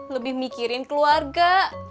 lebih mikirin keluarga